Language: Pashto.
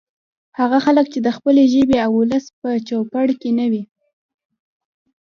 هغه خلک چې د خپلې ژبې او ولس په چوپړ کې نه وي